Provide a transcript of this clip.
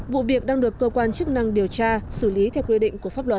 vụ việc đang được cơ quan chức năng điều tra xử lý theo quy định của pháp luật